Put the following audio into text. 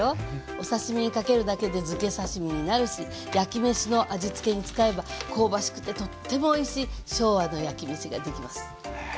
お刺身にかけるだけでづけ刺身になるし焼きめしの味つけに使えば香ばしくてとってもおいしい昭和の焼きめしができます。